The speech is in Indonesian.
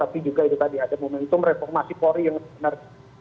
tapi juga itu tadi ada momentum reformasi polri yang benar